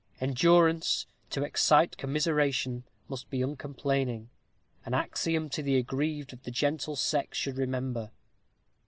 Endurance, to excite commiseration, must be uncomplaining an axiom the aggrieved of the gentle sex should remember.